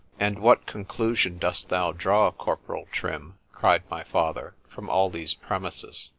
—— And what conclusion dost thou draw, corporal Trim, cried my father, from all these premises?